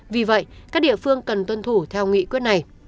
vì vậy các địa phương cần tuân thủ theo nghị quyết này